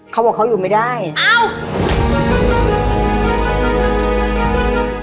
เขาบอกเขาอยู่ไม่ได้อ้าว